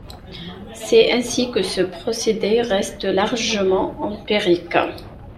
C'est ainsi que ce procédé reste largement empirique.